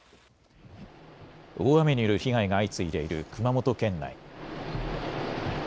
大雨による被害が相次いでいる熊本県内。